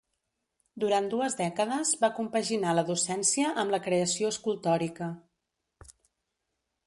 Durant dues dècades va compaginar la docència amb la creació escultòrica.